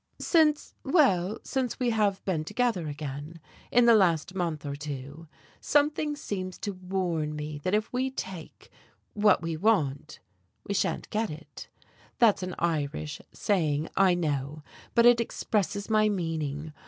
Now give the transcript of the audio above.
"Since well, since we have been together again, in the last month or two. Something seems to warn me that if we take what we want, we shan't get it. That's an Irish saying, I know, but it expresses my meaning.